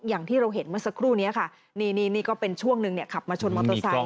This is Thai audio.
อย่างที่เราเห็นเมื่อสักครู่นี้ค่ะนี่นี่ก็เป็นช่วงหนึ่งขับมาชนมอเตอร์ไซค